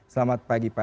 selamat pagi pak